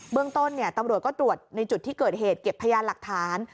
เรื่องต้นตำรวจก็ตรวจในจุดที่เกิดเหตุเก็บพยานหลักฐาน